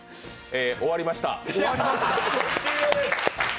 終わりました。